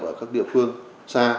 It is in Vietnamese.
ở các địa phương xa